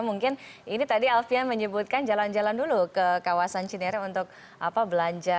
mungkin ini tadi alfian menyebutkan jalan jalan dulu ke kawasan cinere untuk belanja